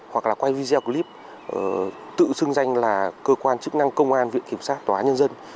hoặc là quay video clip tự xưng danh là cơ quan chức năng công an viện kiểm sát tòa án nhân dân